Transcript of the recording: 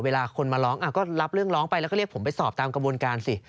เวลาคนมาร้องก็รับเรื่องร้องไปแล้วก็เรียกผมไปสอบตามกระบวนการสิ